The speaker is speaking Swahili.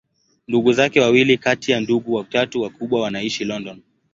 Ndugu zake wawili kati ya ndugu watatu wakubwa wanaishi London.